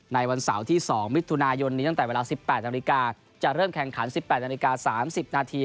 วันเสาร์ที่๒มิถุนายนนี้ตั้งแต่เวลา๑๘นาฬิกาจะเริ่มแข่งขัน๑๘นาฬิกา๓๐นาที